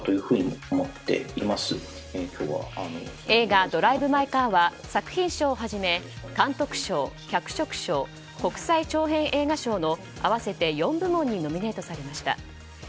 映画「ドライブ・マイ・カー」は作品賞をはじめ監督賞脚色賞、国際長編映画賞の合わせて４部門にノミネートされました。